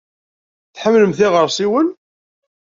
Tḥemmlemt iɣersiwen?